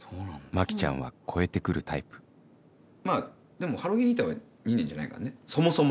マキちゃんは超えて来るタイプでもハロゲンヒーターは２年じゃないからねそもそも。